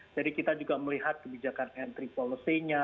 jadi kita juga melihat kebijakan entry policy nya